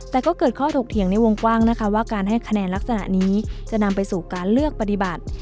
แต่ก็เกิดข้อถกเถียงในวงกว้างนะคะว่าการให้คะแนนลักษณะนี้จะนำไปสู่การเลือกปฏิบัติ